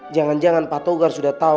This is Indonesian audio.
jangan jangan pak togar sudah tahu